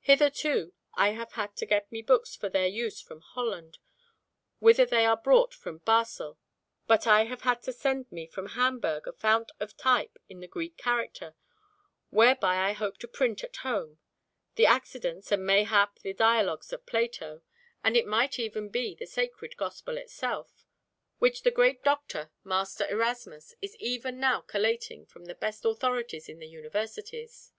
Hitherto I have had to get me books for their use from Holland, whither they are brought from Basle, but I have had sent me from Hamburg a fount of type of the Greek character, whereby I hope to print at home, the accidence, and mayhap the Dialogues of Plato, and it might even be the sacred Gospel itself, which the great Doctor, Master Erasmus, is even now collating from the best authorities in the universities."